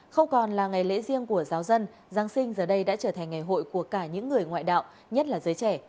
không còn là ngày lễ riêng của giáo dân giáng sinh giờ đây đã trở thành ngày hội của cả những người ngoại đạo nhất là giới trẻ